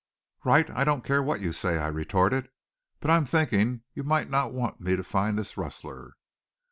"Wright, I don't care what you say," I retorted. "But I'm thinking you might not want me to find this rustler."